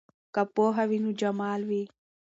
که پوهه وي نو جمال وي.